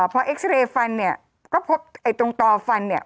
พอเอ็กซาเรย์ฟันเนี่ยก็พบไอ้ตรงต่อฟันเนี่ย